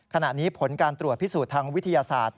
ขณะนี้ผลการตรวจพิสูจน์ทางวิทยาศาสตร์